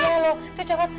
iya loh itu coklat